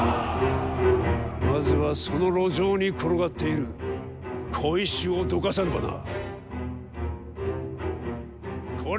まずはその路上に転がっている小石をどかさねばな。